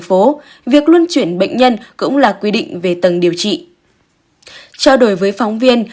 phố việc luân chuyển bệnh nhân cũng là quy định về tầng điều trị trao đổi với phóng viên